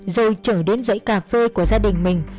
rồi trở đến dãy cà phê của gia đình mình